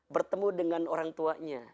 bertemu dengan orang lainnya